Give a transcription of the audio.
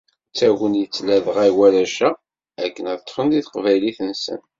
D tagnit ladɣa i warrac-a akken ad ṭṭfen deg Teqbaylit-nsen.